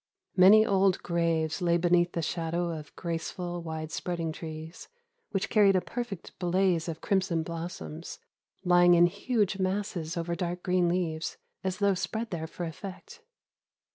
Many old graves lay beneath the shadow of graceful, wide spreading trees, which carried a perfect blaze of crimson blossoms, lying in huge masses over dark green leaves, as though spread there for effect.